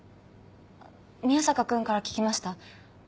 宮坂君から聞きました。